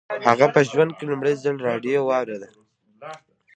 هغه په ژوند کې لومړي ځل راډيو واورېده.